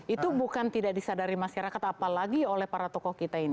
itu bukan tidak disadari masyarakat apalagi oleh para tokoh kita ini